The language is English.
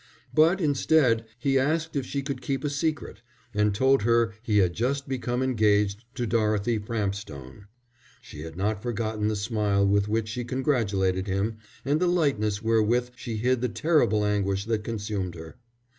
But instead, he asked if she could keep a secret, and told her he had just become engaged to Dorothy Frampstone. She had not forgotten the smile with which she congratulated him and the lightness wherewith she hid the terrible anguish that consumed her.